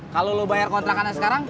kalau lo bayar kontrakannya sekarang